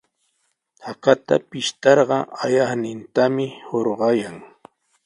Hakata pishtarqa ayaqnintami hurqayan.